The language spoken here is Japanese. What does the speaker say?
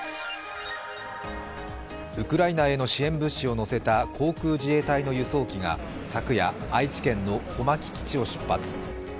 ウクライナへの支援物資を載せた航空自衛隊の輸送機が昨夜、愛知県の小牧基地を出発。